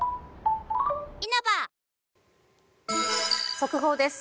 速報です。